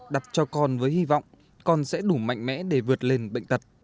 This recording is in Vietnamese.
đặt cho con với hy vọng con sẽ đủ mạnh mẽ để vượt lên bệnh tật